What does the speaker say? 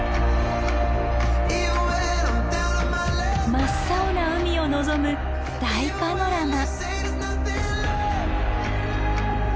真っ青な海を望む大パノラマ。